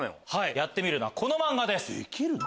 やってみるのはこの漫画です。